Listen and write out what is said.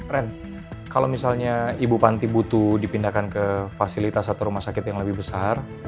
ren kalau misalnya ibu panti butuh dipindahkan ke fasilitas atau rumah sakit yang lebih besar